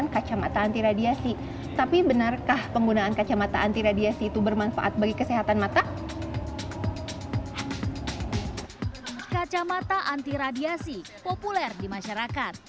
kacamata anti radiasi populer di masyarakat